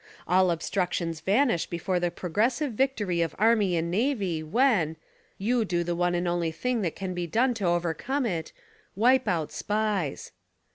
All obstructions vanish before the progressive victory of army and navy when — you do the one and only thing that can be done to overcome it — v/ipe out SPIES.